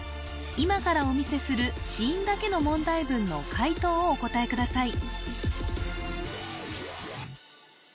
今からお見せする子音だけの問題文の解答をお答えください